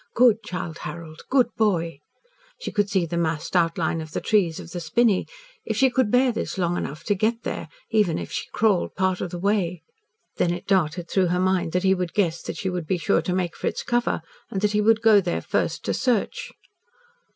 Good Childe Harold, good boy! She could see the massed outline of the trees of the spinney. If she could bear this long enough to get there even if she crawled part of the way. Then it darted through her mind that he would guess that she would be sure to make for its cover, and that he would go there first to search.